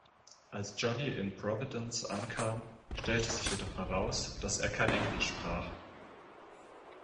Als Joly in Providence ankam, stellte sich jedoch heraus, dass er kein Englisch sprach.